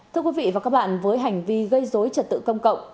thưa quý vị và các bạn với hành vi gây dối trật tự công cộng